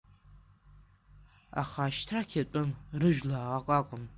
Аха шьҭрак иатәын, рыжәла акакәын.